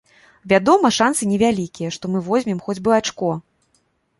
Вядома, шанцы невялікія, што мы возьмем хоць бы ачко.